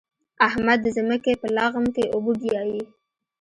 احمد د ځمکې په لغم کې اوبه بيايي.